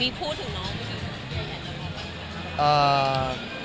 มีพูดถึงน้องพี่เวียร์ค่ะพี่เวียร์อยากจะพูดถึงน้องพี่เวียร์